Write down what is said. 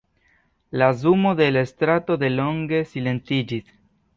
La zumo de la strato delonge silentiĝis.